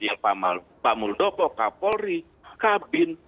ya pak muldoko pak polri pak bin